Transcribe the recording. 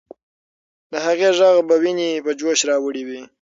د هغې ږغ به ويني په جوش راوړي وي.